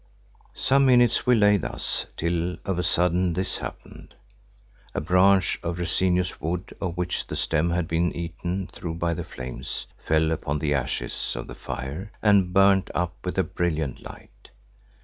Some minutes we lay thus, till of a sudden this happened. A branch of resinous wood of which the stem had been eaten through by the flames, fell upon the ashes of the fire and burnt up with a brilliant light.